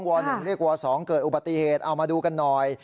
๑เรียกว๒เกิดอุบัติเหตุเอามาดูกันหน่อย